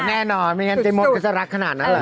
แน่นอนไม่งั้นเจ๊มดก็จะรักขนาดนั้นเหรอ